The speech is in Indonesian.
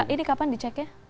ini kapan diceknya